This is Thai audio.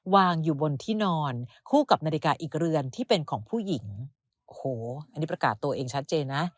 วางอยู่บนที่นอนคู่กับนาฬิกาอีกเรือนที่เป็นของผู้หญิงโอ้โหอันนี้ประกาศตัวเองชัดเจนนะ